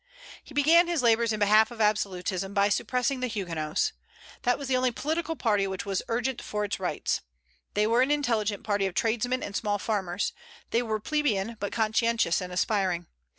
He began his labors in behalf of absolutism by suppressing the Huguenots. That was the only political party which was urgent for its rights. They were an intelligent party of tradesmen and small farmers; they were plebeian, but conscientious and aspiring.